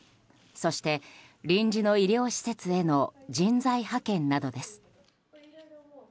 そして、臨時の医療施設への人材派遣などです。